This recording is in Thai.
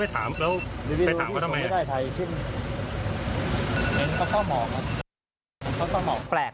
พี่มีก็ชอบหมอก